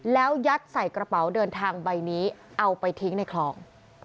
แล้วยัดใส่กระเป๋าเดินทางใบนี้เอาไปทิ้งในคลอง